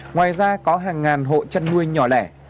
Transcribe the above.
ngoài ra có hàng ngàn hộ chăn nuôi nhỏ lẻ